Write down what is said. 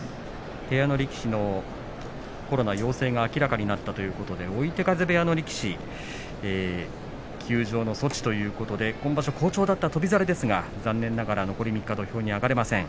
部屋の力士のコロナ陽性が明らかになったということで追手風部屋の力士休場の措置ということで今場所、好調だった翔猿ですが残念ながら残り３日土俵に上がれません。